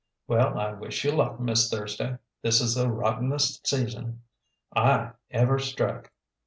"Well, I wish you luck, Miss Thursday. This is the rottenest season I ever struck.